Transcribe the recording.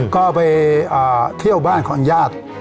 ก็ไปเที่ยวบ้านของญาติ